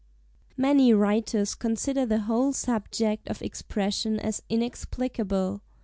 Many writers consider the whole subject of Expression as inexplicable.